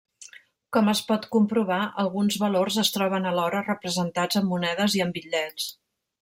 Com es pot comprovar, alguns valors es troben alhora representats en monedes i en bitllets.